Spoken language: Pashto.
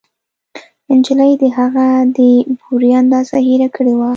نجلۍ د هغه د بورې اندازه هېره کړې وه